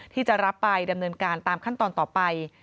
ที่จะรับไปดำเนินการตามขั้นตอนต่อไป